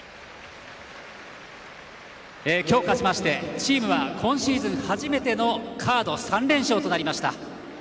今日勝ちましてチームは今シーズン初めてのカード３連勝となりました。